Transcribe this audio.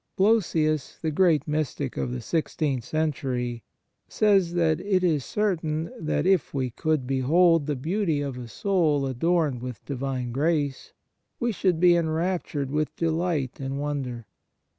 Blosius, the great mystic of the sixteenth century, says that it is certain that if we could behold the beauty of a soul adorned with Divine grace, we should be enraptured with delight and wonder.